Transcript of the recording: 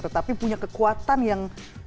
tetapi punya kekuatan yang